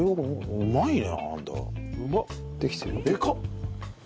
うまいな。